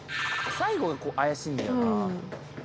最後怪しいんだよな。